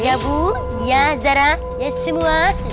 ya bu ya zara ya semua